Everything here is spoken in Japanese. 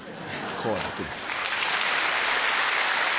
好楽です。